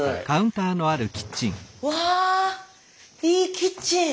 わぁいいキッチン！